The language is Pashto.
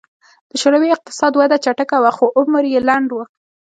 د شوروي اقتصادي وده چټکه وه خو عمر یې لنډ و